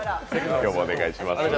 今日もお願いします。